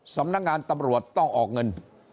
สำนักงานตำรวจต้องออกเงิน